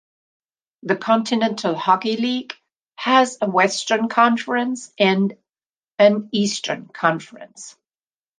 The Kontinental Hockey League has a Western Conference and an Eastern Conference.